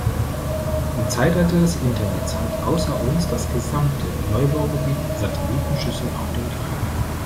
Im Zeitalter des Internets hat außer uns das gesamte Neubaugebiet Satellitenschüsseln auf dem Dach.